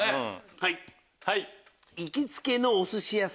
はい！